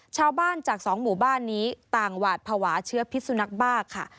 ชาวบ้านจากสองหมู่บ้านนี้ต่างหวาดภาวะเชื้อพิษสุนัขบ้าค่ะ